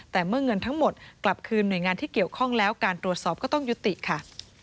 แต่เมื่อเงินทั้งหมดกลับคืนหน่วยงานที่เกี่ยวข้องแล้วการตรวจสอบก็ต้องยุติค่ะ